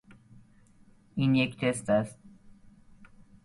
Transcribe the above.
Wade was born in Marshallville, Georgia.